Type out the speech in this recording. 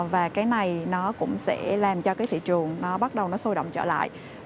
và cái này nó cũng sẽ làm cho cái thị trường nó bắt đầu nó sôi động trở lại